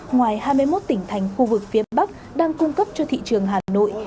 ngoài hai mươi một tỉnh thành khu vực phía bắc đang cung cấp cho thị trường hà nội